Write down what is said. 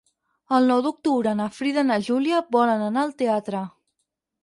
El nou d'octubre na Frida i na Júlia volen anar al teatre.